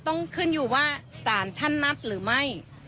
ต้องขึ้นอยู่ว่าสารท่านนัดหรือไม่